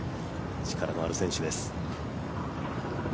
力のある選手です。